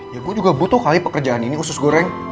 ya gue juga butuh kali pekerjaan ini khusus goreng